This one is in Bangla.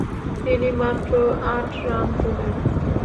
তিনি মাত্র আট রান তুলেন।